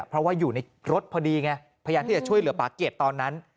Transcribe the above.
เพราะว่าอยู่ในรถพอดีไงพยายามที่จะช่วยเหลือป่าเกียจตอนนั้น